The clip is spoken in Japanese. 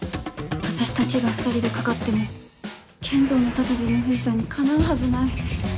私たちが２人でかかっても剣道の達人の藤さんにかなうはずない。